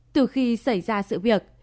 từ khi xảy ra sự việc